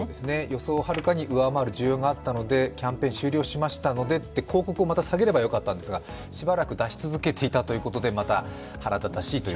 予想をはるかに上回る需要があったのでってキャンペーン終了しましたのでと広告をまた下げればよかったんですがしばらく出し続けていたということで、また腹立たしいと。